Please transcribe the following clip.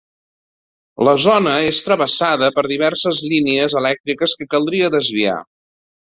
La zona és travessada per diverses línies elèctriques que caldria desviar.